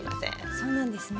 そうなんですね。